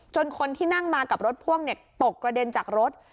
คนที่นั่งมากับรถพ่วงตกกระเด็นจากรถ